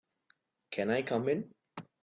Can I come in?